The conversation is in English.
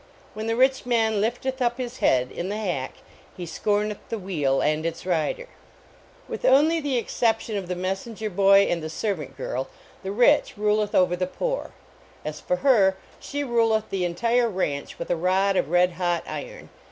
When the rich man lifteth up his head in the hack he scorncth the wheel and its rider. 141 A NEIGHBORLY NEIGHBORHOOD With only the exception of the messenger boy and the servant girl, the rich ruleth over the poor. As for her, she ruleth the entire ranch with a rod of red hot iron.